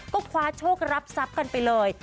ก็คว้าโชครับทรัพย์กันไปเลย